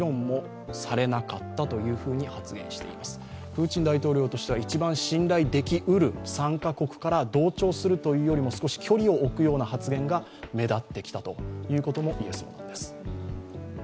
プーチン大統領としては一番信頼できうる参加国から同調するというよりも少し距離を置くような発言が目立ってきたということも言えそうです。